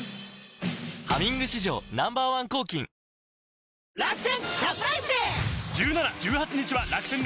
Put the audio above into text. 「ハミング」史上Ｎｏ．１抗菌さて！